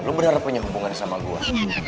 lo bener bener punya hubungan sama gue